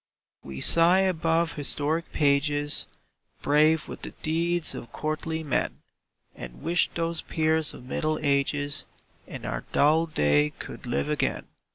We sigh above historic pages, Brave with the deeds of courtly men, And wish those peers of middle ages In our dull day could live again.